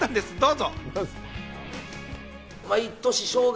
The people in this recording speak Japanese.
どうぞ。